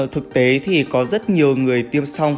thực tế thì có rất nhiều người tiêm xong